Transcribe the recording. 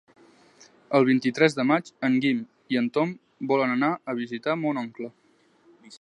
El vint-i-tres de maig en Guim i en Tom volen anar a visitar mon oncle.